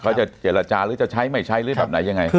เขาจะเจรจาหรือจะใช้ไม่ใช้หรือแบบไหนยังไง